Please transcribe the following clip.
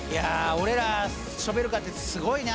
俺らショベルカーってすごいな！